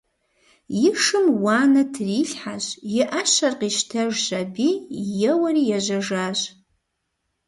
И шым уанэ трилъхьэщ, и ӏэщэр къищтэжщ аби, еуэри ежьэжащ.